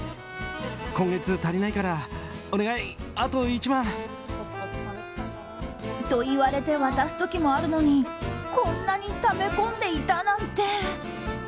今月足りないからお願い、あと１万円！と言われて渡す時もあるのにこんなにため込んでいたなんて。